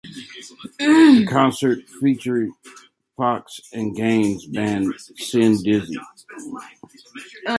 The concert featured Fox and Gaines's band, SinDizzy.